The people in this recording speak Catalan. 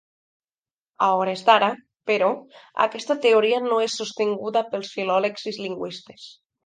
A hores d'ara, però, aquesta teoria no és sostinguda pels filòlegs i lingüistes.